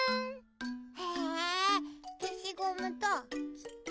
へえけしゴムときってとうん？